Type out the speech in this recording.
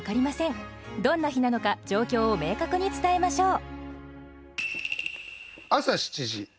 どんな日なのか状況を明確に伝えましょう。